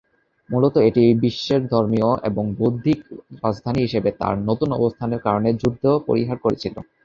মূলত এটি বিশ্বের ধর্মীয় এবং বৌদ্ধিক রাজধানী হিসাবে তার নতুন অবস্থানের কারণে যুদ্ধ পরিহার করেছিল।